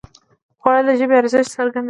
خوړل د ژبې ارزښت څرګندوي